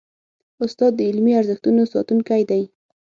استاد د علمي ارزښتونو ساتونکی دی.